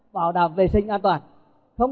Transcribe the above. bảo đảm vệ sinh an toàn